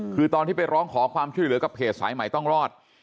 คือตอนที่ไปร้องขอความช่วยเหลือกับเพจสายใหม่ต้องรอด